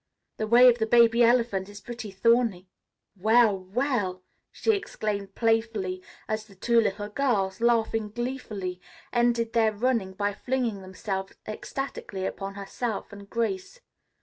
The way of the baby elephant is pretty thorny. Well, well!" she exclaimed playfully as the two little girls, laughing gleefully, ended their run by flinging themselves ecstatically upon herself and Grace.